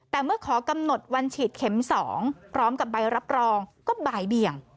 แต่เมื่อขอกำหนดวันฉีดเข็ม๒พร้อมกับใบรับรองก็บ่ายเบี่ยง